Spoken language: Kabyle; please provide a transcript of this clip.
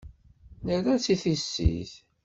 Nerra-tt i tissit.